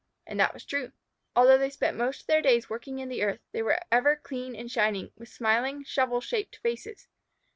And that was true. Although they spent most of their days working in the earth, they were ever clean and shining, with smiling, shovel shaped faces.